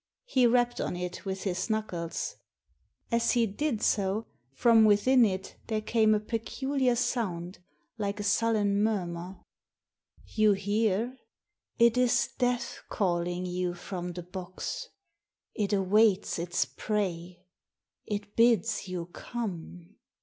He rapped on it with his knuckles* As he did so, from within it there came a peculiar sound like a sullen murmur. "You hear? It is death calling to you from the box. It awaits its prey. It bids you come."